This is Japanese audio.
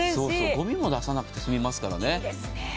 ごみも出さなくて済みますからね。